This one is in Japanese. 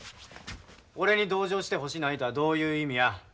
俺に同情してほしないとはどういう意味や？